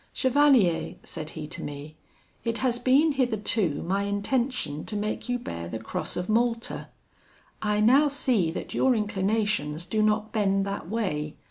'Chevalier,' said he to me, 'it has been hitherto my intention to make you bear the Cross of Malta: I now see that your inclinations do not bend that way.